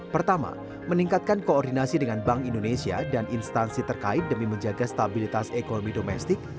pertama meningkatkan koordinasi dengan bank indonesia dan instansi terkait demi menjaga stabilitas ekonomi domestik